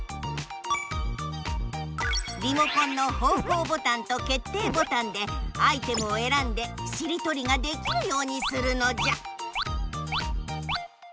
リモコンの方向ボタンと決定ボタンでアイテムをえらんでしりとりができるようにするのじゃ！